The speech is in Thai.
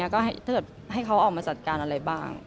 ก็ให้เขาออกมาจัดการอะไรบ้าง